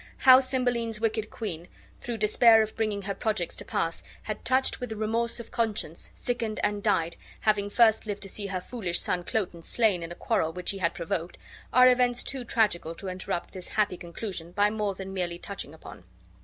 How Cymbeline's wicked queen, through despair of bringing her projects to pass, and touched with remorse of conscience, sickened and died, having first lived to see her foolish son Cloten slain in a quarrel which he had provoked, are events too tragical to interrupt this happy conclusion by more than merely touching upon.